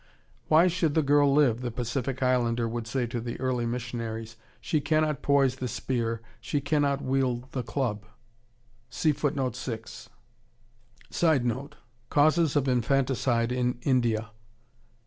"Why should the girl live?" the Pacific Islander would say to the early missionaries, "She cannot poise the spear, she cannot wield the club." [Sidenote: Causes of infanticide in India.